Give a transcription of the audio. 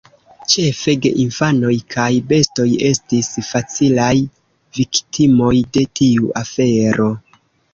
Ĉefe geinfanoj kaj bestoj estis facilaj viktimoj de tiu afero.